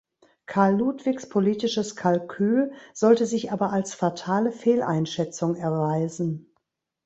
Karl Ludwigs politisches Kalkül sollte sich aber als fatale Fehleinschätzung erweisen.